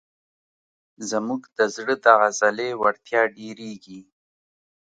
زموږ د زړه د عضلې وړتیا ډېرېږي.